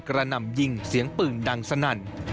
หนำยิงเสียงปืนดังสนั่น